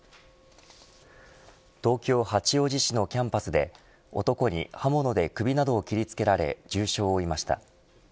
東京、八王子市のキャンパスで男に刃物で首などを切り付けられ重傷を負いました。